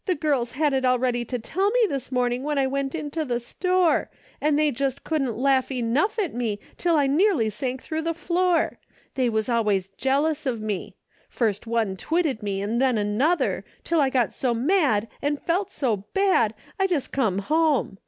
'^ girls had it all ready to tell me this morning when I went in to the store, and they just couldn't laugh enough at me, till I nearly sank through the floor. They was always jealous of me. First one twitted me an' then another, till I got so mad and felt so bad I just come home.